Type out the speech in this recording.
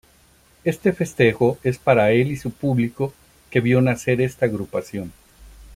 Este festejo es para el y su Público que vio nacer esta Agrupación.